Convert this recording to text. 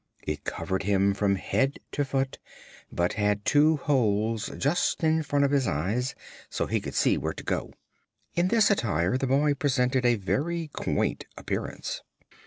It covered him from head to foot, but had two holes just in front of his eyes, so he could see where to go. In this attire the boy presented a very quaint appearance.